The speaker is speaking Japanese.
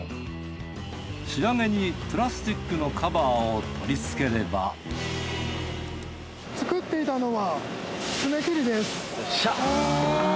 仕上げにプラスチックのカバーを取り付ければ作っていたのは。